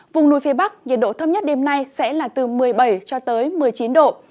vùng núi phía bắc nhiệt độ thấp nhất đêm nay sẽ là từ một mươi bảy cho tới một mươi chín độ